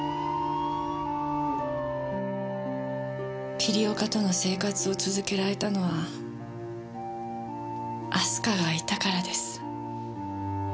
桐岡との生活を続けられたのは明日香がいたからです。